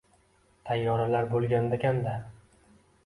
Tayyoralar bo‘lganda kanda